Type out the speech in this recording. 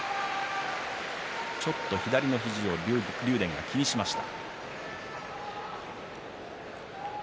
左の肘を竜電が気にしました。